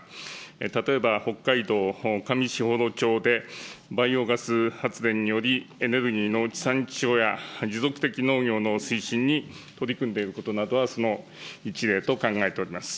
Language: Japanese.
例えば北海道上士幌町でバイオガス発電により、エネルギーの地産地消や持続的農業の推進に取り組んでいることなどは、その１例と考えております。